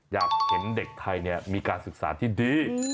อยากเห็นเด็กไทยมีการศึกษาที่ดี